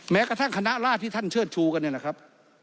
แม้กระทั่งคณะราชที่ท่านเชิดชูกันเนี่ยนะครับ